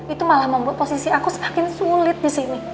itu malah membuat posisi aku semakin sulit di sini